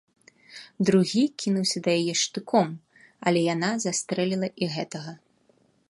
Другі кінуўся да яе з штыком, але яна застрэліла і гэтага.